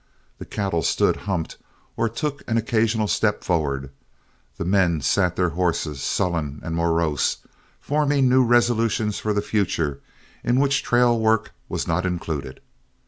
The cattle stood humped or took an occasional step forward, the men sat their horses, sullen and morose, forming new resolutions for the future, in which trail work was not included.